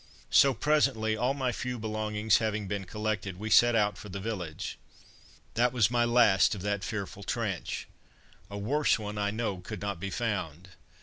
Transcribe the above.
So presently, all my few belongings having been collected, we set out for the village. That was my last of that fearful trench. A worse one I know could not be found.